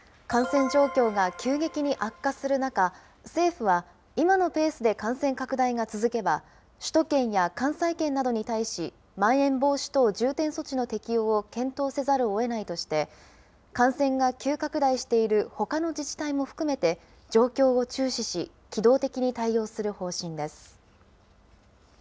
感染状況が急激に悪化する中、政府は今のペースで感染拡大が続けば、首都圏や関西圏などに対し、まん延防止等重点措置の適用を検討せざるをえないとして、感染が急拡大しているほかの自治体も含めて、状況を注視し、機動的に対応する方針です。